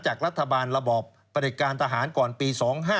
จากรัฐบาลระบอบประเด็จการทหารก่อนปี๒๕๖